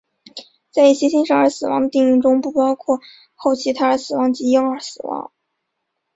在一些新生儿死亡的定义中不包括后期胎儿死亡以及婴儿死亡。